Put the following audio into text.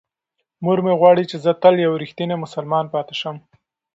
مور مې غواړي چې زه تل یو رښتینی مسلمان پاتې شم.